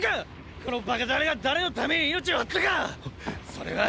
このバカタレが誰のために命を張ったか⁉それは！！